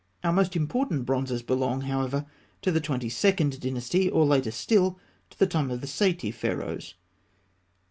Our most important bronzes belong, however, to the Twenty second Dynasty, or, later still, to the time of the Saïte Pharaohs.